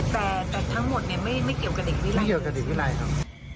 แต่ทั้งหมดเนี่ยไม่เกี่ยวกับเด็กวิรัยไม่เกี่ยวกับเด็กวิรัยครับ